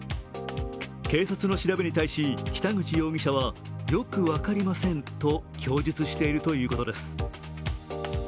警察の調べに対し北口容疑者はよく分かりませんと供述しているということです。